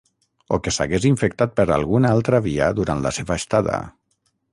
O que s’hagués infectat per alguna altra via durant la seva estada.